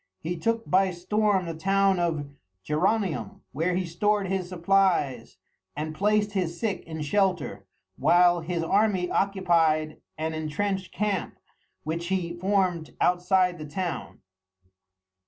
He took by storm the town of Geronium, where he stored his supplies and placed his sick in shelter, while his army occupied an intrenched camp which he formed outside the town.